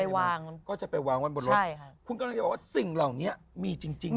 วางก็จะไปวางไว้บนรถใช่ค่ะคุณกำลังจะบอกว่าสิ่งเหล่านี้มีจริงจริง